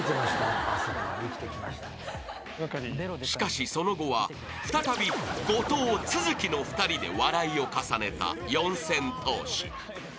［しかしその後は再び後藤都築の２人で笑いを重ねた四千頭身］